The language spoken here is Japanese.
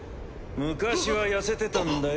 昔は痩せてたんだよ。